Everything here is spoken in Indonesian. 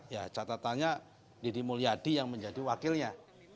ya catatannya deddy mulyadi yang menjadi wakilnya